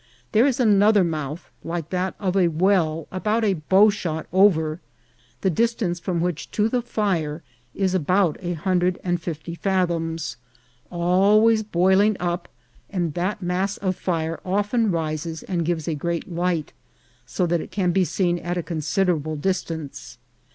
There is another Mouth like that of a Well about a Bowshot over, the distance from which to the Fire is about a hundred and fifty Fathoms, always boiling up, and that mass of Fire often rises and gives a great Light, so that it can be seen at a considerable Distance.